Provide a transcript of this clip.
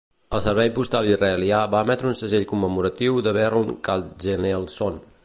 El servei postal israelià va emetre un segell commemoratiu de Berl Katzenelson.